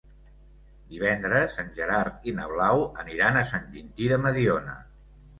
Divendres en Gerard i na Blau aniran a Sant Quintí de Mediona.